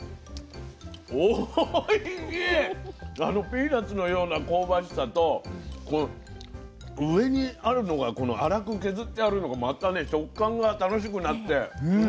ピーナツのような香ばしさと上にあるのがこの粗く削ってあるのがまたね食感が楽しくなってね。